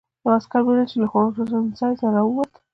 یو عسکر مې ولید چې له خوړنځای نه راووت.